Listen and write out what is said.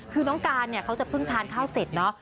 คือน้องการเนี่ยเขาจะเพิ่งทานข้าวเสร็จเนาะ